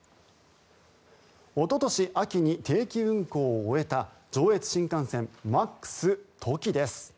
おととし秋に定期運行を終えた上越新幹線、Ｍａｘときです。